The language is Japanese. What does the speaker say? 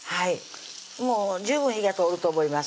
もう十分火が通ると思います